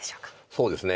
そうですね